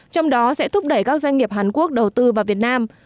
trong đó sẽ thúc đẩy các doanh nghiệp hàn quốc đầu tư vào việt nam